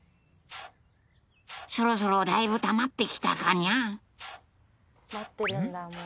「そろそろだいぶたまってきたかニャ？」